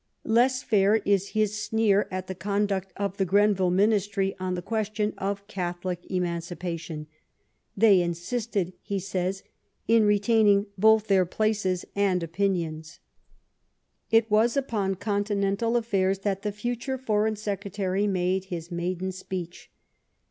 Less fair is his sneer at the conduct of the Grenville ministry on the question of Catholic Emancipation :'' They insisted," he says, in retaining both their places and opinions.'* It was upon continental affairs that the future Foreign Secretary made his maiden speech.